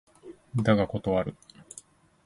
だが断る。